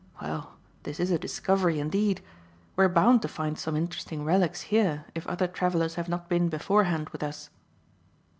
Well, this is a discovery indeed. We are bound to find some interesting relics here if other travellers have not been beforehand with us."